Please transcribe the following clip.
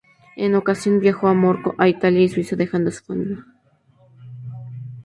En una ocasión viajó con Moor a Italia y Suiza dejando a su familia.